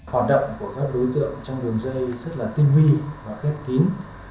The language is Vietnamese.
hoạt động của các đối tượng trong đường dây rất là tinh vi và khép kín